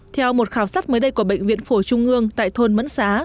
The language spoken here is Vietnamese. theo một khảo sát mới đây của bệnh viện phổi trung ương tại thôn mẫn xá